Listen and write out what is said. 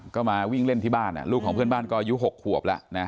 ก็มาวิ่งเล่นที่บ้านลูกของเพื่อนบ้านก็อายุ๖ขวบแล้วนะ